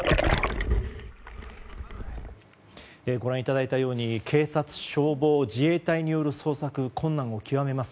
ご覧いただいたように警察・消防・自衛隊による捜索困難を極めます。